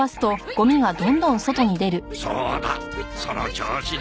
そうだその調子だ。